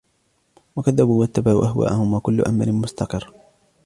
وَكَذَّبُوا وَاتَّبَعُوا أَهْوَاءهُمْ وَكُلُّ أَمْرٍ مُّسْتَقِرٌّ